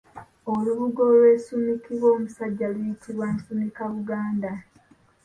Olubugo olwesumikibwa omusajja luyitibwa Nsumikabuganda.